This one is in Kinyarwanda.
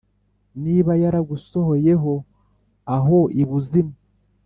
Niba yaragusohoyeho aho ibuzimu